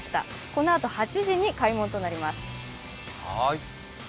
このあと８時に開門となります。